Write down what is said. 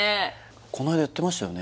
こないだやってましたよね？